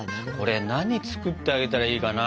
何作ってあげたらいいかな？